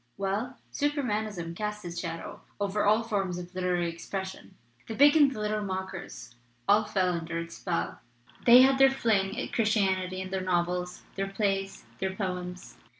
"Well, Supermanism cast its shadow over all forms of literary expression. The big and the little mockers all fell under its spell they had their fling at Christianity in their novels, their plays, their poems.